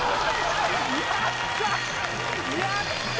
やった！